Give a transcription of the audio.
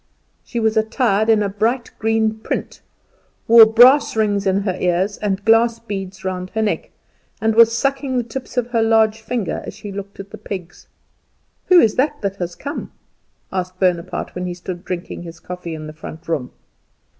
She was attired in a bright green print, wore brass rings in her ears and glass beads round her neck, and was sucking the tip of her large finger as she looked at the pigs. "Who is it that has come?" asked Bonaparte, when he stood drinking his coffee in the front room.